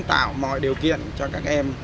tạo mọi điều kiện cho các em